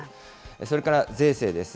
それから税制です。